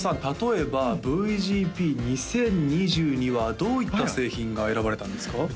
例えばＶＧＰ２０２２はどういった製品が選ばれたんですか？